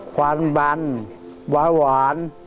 ความบันวาหวาน